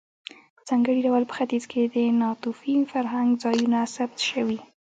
په ځانګړي ډول په ختیځ کې د ناتوفي فرهنګ ځایونه ثبت شوي.